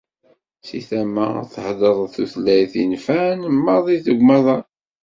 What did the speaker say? Si tama ad theddreḍ tutlayt inefεen maḍi deg umaḍal.